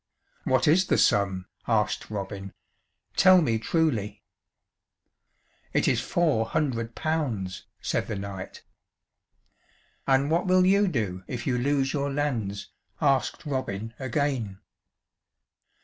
"What is the sum?" asked Robin. "Tell me truly." "It is four hundred pounds," said the knight. "And what will you do if you lose your lands?" asked Robin again.